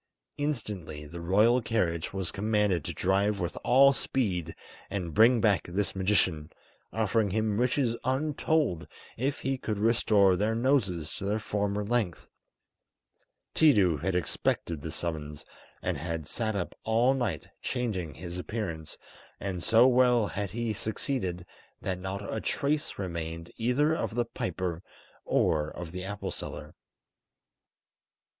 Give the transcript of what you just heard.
Instantly the royal carriage was commanded to drive with all speed and bring back this magician, offering him riches untold if he could restore their noses to their former length. Tiidu had expected this summons, and had sat up all night changing his appearance, and so well had he succeeded that not a trace remained either of the piper or of the apple seller.